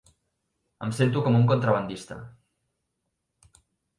Em sento com un contrabandista.